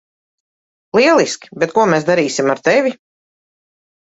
Lieliski, bet ko mēs darīsim ar tevi?